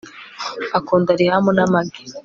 akunda rihamu n'amagi